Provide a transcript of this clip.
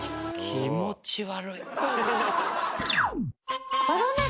気持ち悪い。